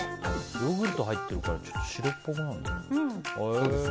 ヨーグルト入ってるから白っぽくなるね。